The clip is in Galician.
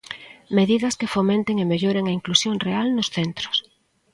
Medidas que fomenten e melloren a inclusión real nos centros.